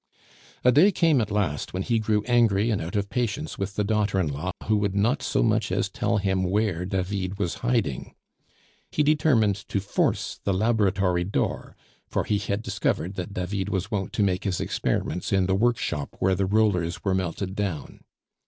A day came at last when he grew angry and out of patience with the daughter in law who would not so much as tell him where David was hiding; he determined to force the laboratory door, for he had discovered that David was wont to make his experiments in the workshop where the rollers were melted down.